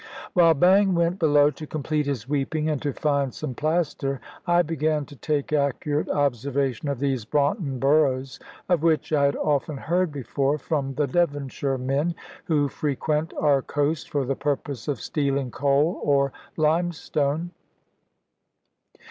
While Bang went below to complete his weeping, and to find some plaster, I began to take accurate observation of these Braunton Burrows, of which I had often heard before from the Devonshire men, who frequent our coast for the purpose of stealing coal or limestone.